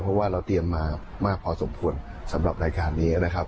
เพราะว่าเราเตรียมมามากพอสมควรสำหรับรายการนี้นะครับ